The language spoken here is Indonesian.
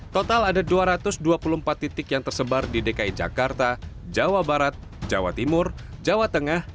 total ada dua ratus dua puluh empat titik yang tersebar di dki jakarta jawa barat jawa timur jawa tengah